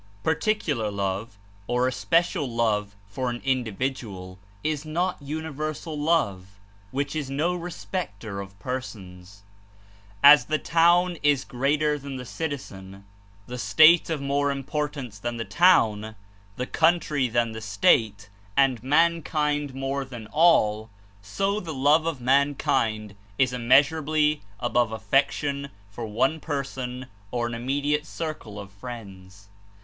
Particular love, or especial love for an individual is not universal love, which is no respecter of persons. As the town is greater than the citizen, the State of more Importance than the town, the Country than the State, and mankind more than all; so the love of mankind is immeasurably above affection for one per son or an Immediate circle of friends.